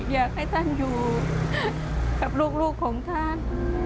อยากให้ท่านอยู่กับลูกของท่าน